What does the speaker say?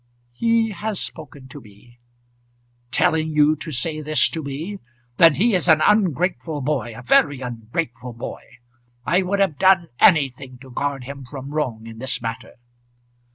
"He has spoken to me." "Telling you to say this to me. Then he is an ungrateful boy; a very ungrateful boy. I would have done anything to guard him from wrong in this matter."